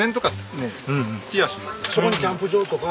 そこにキャンプ場とか。